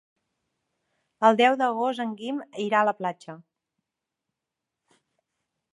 El deu d'agost en Guim irà a la platja.